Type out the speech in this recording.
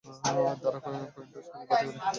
দাঁড়া, coin toss করে বাছাই করি।